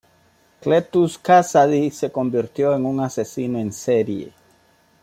Cletus Kasady se convirtió en un asesino en serie.